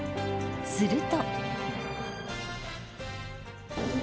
すると。